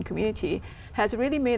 của thái lan